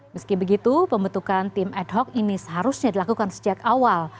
meski begitu pembentukan tim ad hoc ini seharusnya dilakukan sejak awal